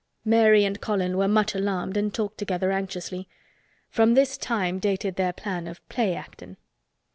Mary and Colin were much alarmed and talked together anxiously. From this time dated their plan of "play actin'."